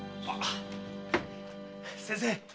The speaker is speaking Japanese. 先生。